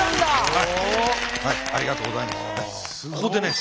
はいはいありがとうございます。